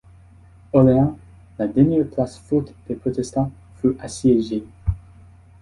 Orléans, la dernière place forte des protestants, fut assiégée.